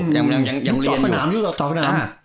จอสถาน้ำ๔๕๗เยอะยุคจอสถาน้ำ